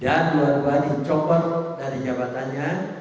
dan dua duanya dicopot dari jabatannya